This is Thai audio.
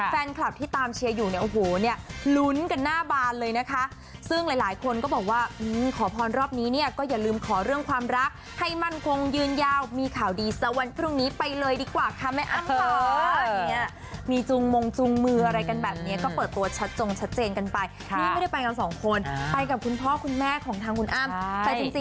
แฟนคลับที่ตามเชียร์อยู่เนี้ยโอ้โหเนี้ยหลุ้นกันหน้าบานเลยนะคะซึ่งหลายหลายคนก็บอกว่าอืมขอพรรณรอบนี้เนี้ยก็อย่าลืมขอเรื่องความรักให้มั่นคงยืนยาวมีข่าวดีสักวันพรุ่งนี้ไปเลยดีกว่าค่ะแม่อ้ำหรออย่างเงี้ยมีจูงมงจูงมืออะไรกันแบบเนี้ยก็เปิดตัวชัดจงชัดเจนกันไปนี่ไม่ได้ไป